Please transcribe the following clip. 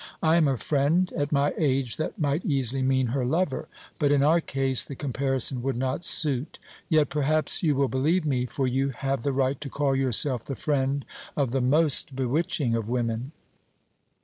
I am her friend at my age that might easily mean her lover. But in our case the comparison would not suit. Yet perhaps you will believe me, for you have the right to call yourself the friend of the most bewitching of women."